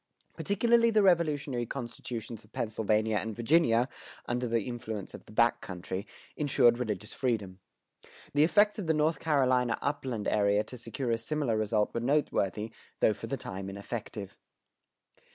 Particularly the Revolutionary constitutions of Pennsylvania and Virginia, under the influence of the back country, insured religious freedom. The effects of the North Carolina upland area to secure a similar result were noteworthy, though for the time ineffective.